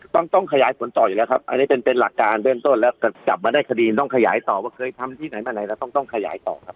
ต้องต้องขยายผลต่ออยู่แล้วครับอันนี้เป็นเป็นหลักการเบื้องต้นแล้วจับมาได้คดีต้องขยายต่อว่าเคยทำที่ไหนมาไหนแล้วต้องขยายต่อครับ